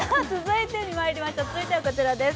続いてはこちらです。